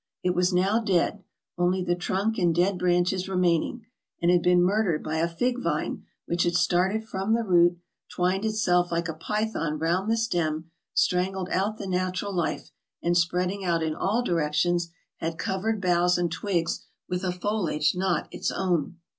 It was now dead, only the trunk and dead branches remaining, and had been murdered by a fig vine which had started from the root, twined itself like a python round the stem, strangled out the natural life, and spreading out in all directions, had cov ered boughs and twigs with a foliage not its own.